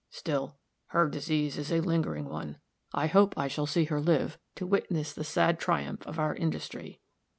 Still, her disease is a lingering one I hope I shall see her live to witness the sad triumph of our industry."